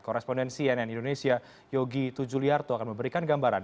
korespondensi nn indonesia yogi tujuliarto akan memberikan gambaran